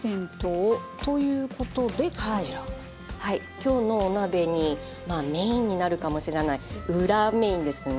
今日のお鍋にまあメインになるかもしれない裏メインですね。